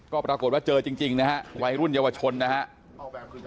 ก็ปรากฏว่าเจอจริงนะฮะวัยรุ่นเยาวชนนะครับ